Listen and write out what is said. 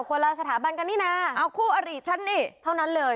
คนละสถาบันกันนี่นะเอาคู่อริฉันนี่เท่านั้นเลย